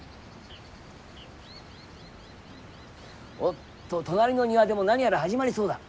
おっと隣の庭でも何やら始まりそうだ。